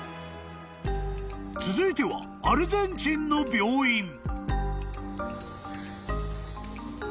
［続いてはアルゼンチンの病院］